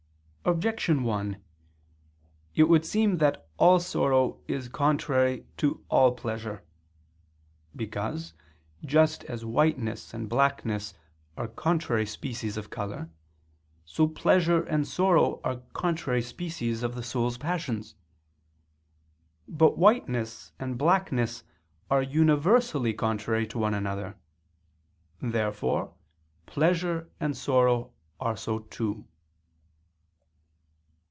Objection 1: It would seem that all sorrow is contrary to all pleasure. Because, just as whiteness and blackness are contrary species of color, so pleasure and sorrow are contrary species of the soul's passions. But whiteness and blackness are universally contrary to one another. Therefore pleasure and sorrow are so too.